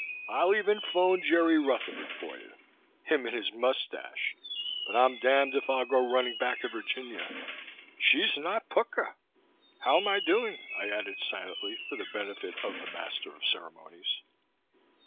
I'll even phone Jerry Rutherford for you him and his moustache but I'm damned if I'll go running back to Virginia. She's not pukka!" ("How'm I doing?" I added silently for the benefit of the Master of Ceremonies.)